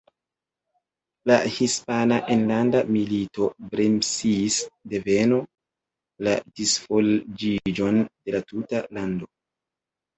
La Hispana Enlanda Milito bremsis denove la disvolviĝon de la tuta lando.